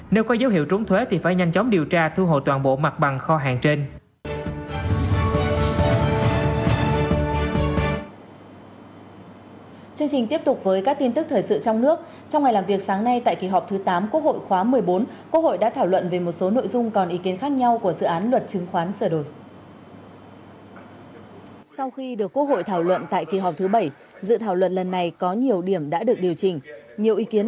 nếu có dấu hiệu trúng thuế thì phải nhanh chóng điều tra thu hộ toàn bộ mặt bằng kho hàng trên